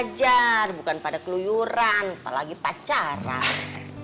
belajar bukan pada keluyuran apalagi pacaran